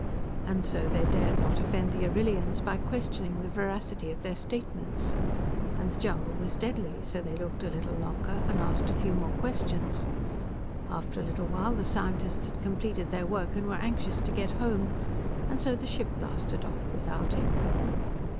And so, they dared not offend the Arrillians by questioning the veracity of their statements. And the jungle was deadly, so they looked a little longer, and asked a few more questions. After a little while, the scientists had completed their work and were anxious to get home, and so, the ship blasted off, without him.